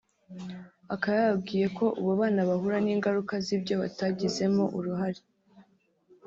Akaba yababwiye ko ubu abana bahura n’ingaruka z’ibyo batagizemo uruhare